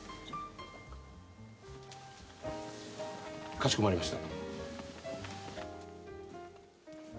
かしこまりました。